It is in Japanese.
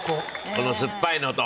このすっぱいのと。